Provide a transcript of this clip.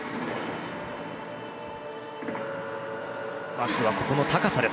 まずは、ここの高さです。